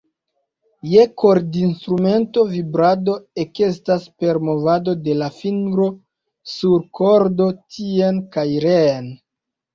Je kordinstrumento vibrado ekestas per movado de la fingro sur kordo tien kaj reen.